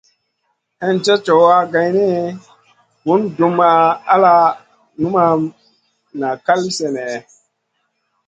Hinjèd cow geyni, bùn dumʼma al numʼma na kal sènèh.